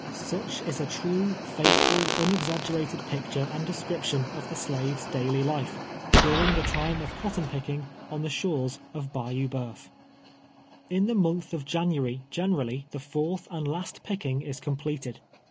Such is a true, faithful, unexaggerated picture and description of the slave's daily life, during the time of cotton pick ing, on the shores of Bayou Bceuf. In the month of January, generally, the fourth and last picking is completed.